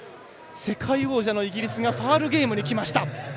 世界王者のイギリスがファウルゲームにきました。